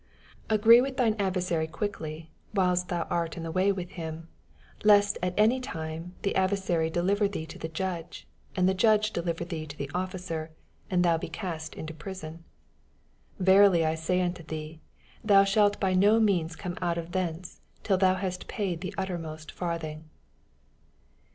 25 Agree with thine adversary . quickly, whiles thou art in the way with hiQE. ; lest at any time th« adver sary deliver thee to the judge, and the judge deliver thee to the omcer, and thou be cast into prison. 26 Verily I say unto thee. Thou shalt by no means come out thence, till thou hast paid the uttermost f&rthing.